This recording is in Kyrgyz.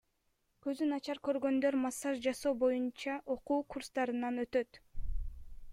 Көзү начар көргөндөр массаж жасоо боюнча окуу курстарынан өтөт.